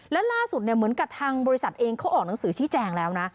และล่าสุดเหมือนกับทางบริษัทเองเขาออกหนังสือชี้แจงแล้วนะ